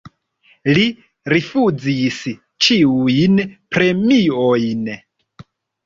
Li rifuzis ĉiujn premiojn.